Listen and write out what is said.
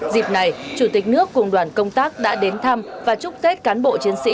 dịp này chủ tịch nước cùng đoàn công tác đã đến thăm và chúc tết cán bộ chiến sĩ